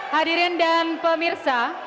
hadirin dan pemirsa